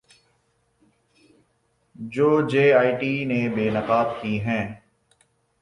جو J I T نے بے نقاب کی ہیں